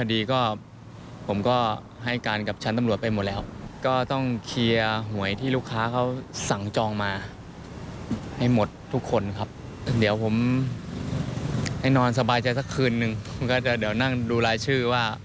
เดี๋ยวจะนั่งดูรายชื่อว่า